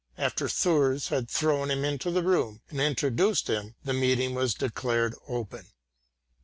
After Thurs had drawn him into the room and introduced him, the meeting was declared open.